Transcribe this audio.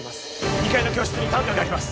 ２階の教室に担架があります